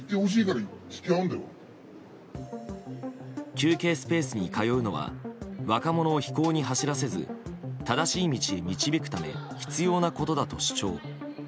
休憩スペースに通うのは若者を非行に走らせず正しい道へ導くため必要なことだと主張。